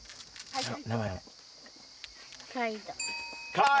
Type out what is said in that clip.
はい。